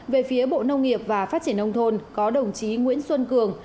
về phía bộ nông nghiệp và phát triển nông thôn có đồng chí nguyễn xuân cường